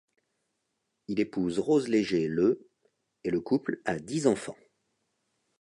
Il épouse Rose Léger le et le couple a dix enfants.